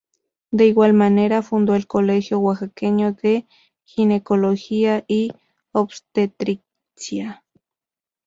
De igual manera fundó el Colegio Oaxaqueño de Ginecología y Obstetricia.